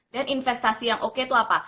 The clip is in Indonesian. dan investasi yang oke itu apa